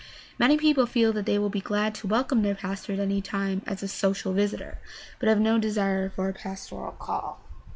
Many people feel that they will be glad to welcome their pastor at any time as a social visitor, but have no desire for a ''pastoral call."